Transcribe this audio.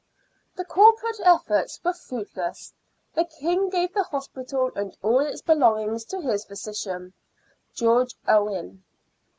The corporate efforts were fruitless, the King giving the Hospital and all its belongings to his physician, George Owen.